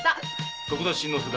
徳田新之助だ。